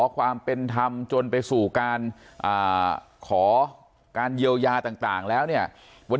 ความเป็นธรรมจนไปสู่การขอการเยียวยาต่างแล้วเนี่ยวัน